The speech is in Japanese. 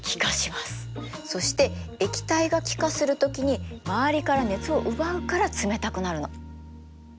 そして液体が気化する時に周りから熱を奪うから冷たくなるの。